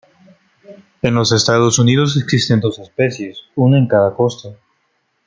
En los Estados Unidos existen dos especies, una en cada costa.